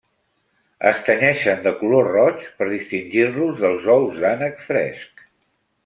Es tenyeixen de color roig per distingir-los dels ous d'ànec fresc.